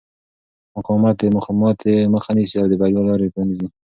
مقاومت د ماتې مخه نیسي او د بریا لارې پرانیزي.